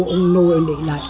ông nội để lại